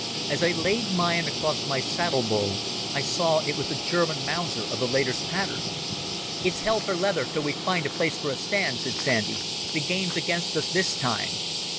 As I laid mine across my saddle bow I saw it was a German Mauser of the latest pattern. "It's hell for leather till we find a place for a stand," said Sandy. "The game's against us this time."